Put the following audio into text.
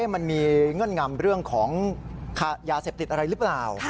มันมีเงื่อนงำเรื่องของยาเสพติดอะไรหรือเปล่า